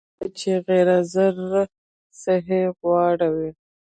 توپیر دا دی چې غیر صحي غوراوي